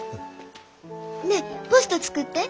ねっポスト作って。